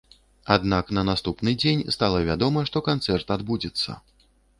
Аднак на наступны дзень стала вядома, што канцэрт адбудзецца.